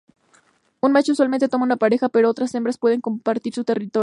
Un macho usualmente toma una pareja, pero otras hembras pueden compartir su territorio.